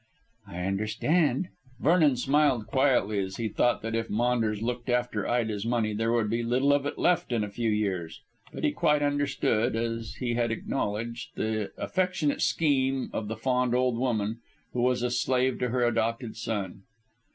"I understand." Vernon smiled quietly as he thought that if Maunders looked after Ida's money there would be little of it left in a few years. But he quite understood, as he had acknowledged, the affectionate scheme of the fond old woman, who was a slave to her adopted son.